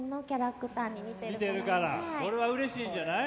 これはうれしいんじゃない？